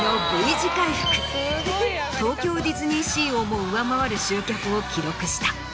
東京ディズニーシーをも上回る集客を記録した。